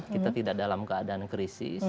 kita tidak dalam keadaan krisis